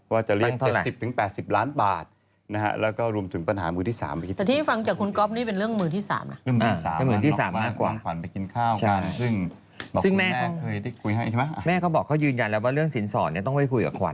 ว่าจะเลียน๗๐๘๐ล้านบาทแล้วรวมถึงปัญหามือที่๓